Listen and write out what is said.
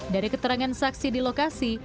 dari keterangan saksi di lokasi